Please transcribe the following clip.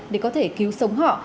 để có thể cứu sống họ